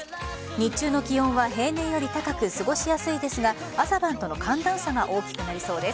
日中の気温は平年より高く過ごしやすいですが朝晩との寒暖差が大きくなりそうです。